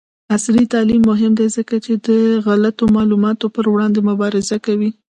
عصري تعلیم مهم دی ځکه چې د غلطو معلوماتو پر وړاندې مبارزه کوي.